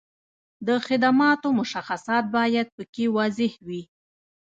د خدماتو مشخصات باید په کې واضح وي.